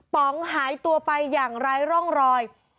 ป๋องหายตัวไปอย่างไร้ร่องรอย